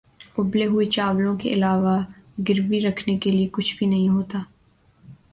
اُبلے ہوئے چاولوں کے علاوہ گروی رکھنے کے لیے کچھ بھی نہیں ہوتا